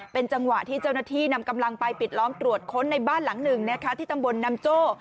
เป็นจังหวะที่เจ้าหน้าที่นำกำลังไปปิดล้อมตรวจค้นในบ้านหลังหนึ่งนะคะที่ตำบลนำโจ้